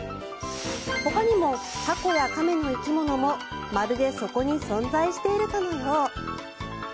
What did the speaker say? ほかにもタコや亀の生き物もまるでそこに存在しているかのよう。